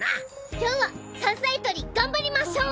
今日は山菜採り頑張りましょう！